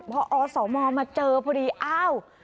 พออสมมาเจอพอดีอ้าว